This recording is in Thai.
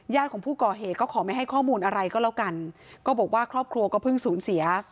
ของผู้ก่อเหตุก็ขอไม่ให้ข้อมูลอะไรก็แล้วกันก็บอกว่าครอบครัวก็เพิ่งสูญเสีย